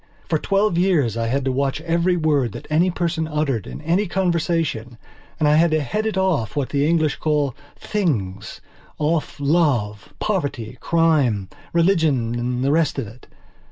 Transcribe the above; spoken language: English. For twelve years I had to watch every word that any person uttered in any conversation and I had to head it off what the English call "things"off love, poverty, crime, religion and the rest of it.